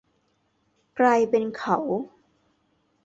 กลายเป็นเขา